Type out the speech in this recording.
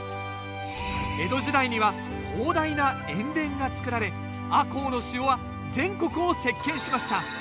江戸時代には広大な塩田が造られ赤穂の塩は全国を席けんしました。